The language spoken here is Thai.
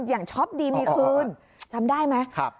อย่างช้อปดีมีคืนจำได้ไหม